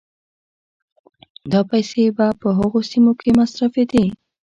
دا پيسې به په هغو سيمو کې مصرفېدې